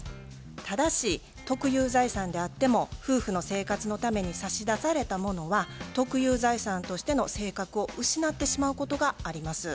ただし特有財産であっても夫婦の生活のために差し出されたものは特有財産としての性格を失ってしまうことがあります。